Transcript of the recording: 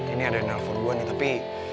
ini ada yang nelfon gue nih tapi